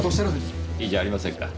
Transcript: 亀山君いいじゃありませんか。